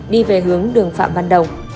đi về hướng đường phạm văn đồng